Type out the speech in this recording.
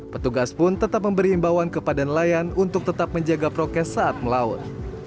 petugas pun tetap memberi imbauan kepada nelayan untuk tetap menjaga prokes saat melaut